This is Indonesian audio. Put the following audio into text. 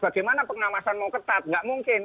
bagaimana pengawasan mau ketat nggak mungkin